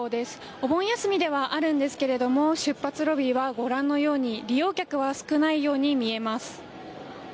お盆休みではあるんですけれど出発ロビーはご覧のように利用客は少ないように見えます。